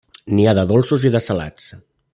N'hi ha de dolços i de salats.